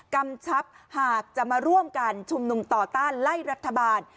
กำชับหากจะมาร่วมกันชุมนุมต่อต้านไล่รัฐบาล